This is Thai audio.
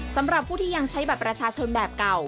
สำหรับผู้ที่ยังใช้บัตรประชาชนแบบเก่า